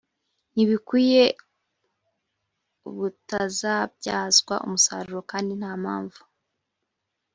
ntibikwiye butabyazwa umusaruro kandi nta mpamvu